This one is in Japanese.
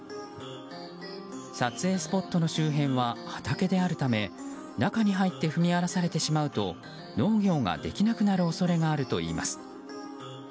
撮影スポットの周辺は畑であるため中に入って踏み荒らされてしまうと農業ができなくなる恐れがあるといいます。